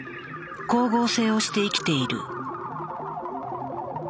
光合成をして生きている。